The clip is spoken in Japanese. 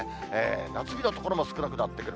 夏日の所も少なくなってくる。